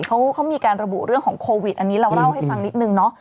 เขามีการระบุเรื่องของโควิดอันนี้เราเล่าให้ฟังนิดนึงเนาะ